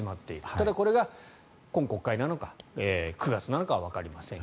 ただ、これが今国会なのか９月なのかはわかりません。